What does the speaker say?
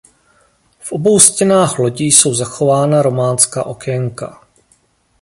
V obou stěnách lodi jsou zachována románská okénka.